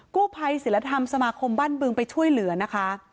กู้ภัยศิลธรรมสมาคมบ้านบึงไปช่วยเหลือนะคะ